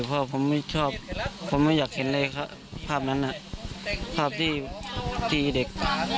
ผมไม่อยากเห็นอะไรภาพนั้นภาพที่ตีเด็ก